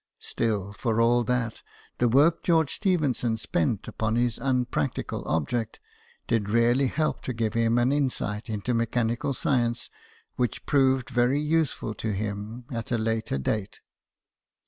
Still, for all that, the work George Stephenson spent upon this un practical object did really help to give him an insight into mechanical science which proved very useful to him at a later date.